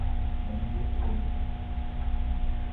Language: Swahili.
Hivyo hufanya makosa ya kutohesabiwa kwa makusudi